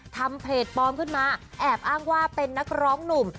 ทำเพจปลอมขึ้นมาแอบอ้างว่าเป็นนักร้องหนุ่ม